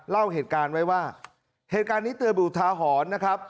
เล่าเหตุการณ์ไว้ว่าเหตุการณ์นี้เตือนอุทาหรณ์นะครับ